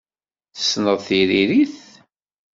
Tessneḍ tiririt?